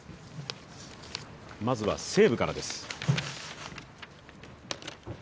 まずは西武からです。